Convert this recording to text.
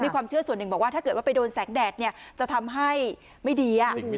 ความเชื่อส่วนหนึ่งบอกว่าถ้าเกิดว่าไปโดนแสงแดดเนี่ยจะทำให้ไม่ดี